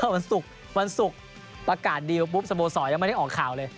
วันศุกย์ประกาศดีลสโมสรยังไม่ได้ออกข่าวเลย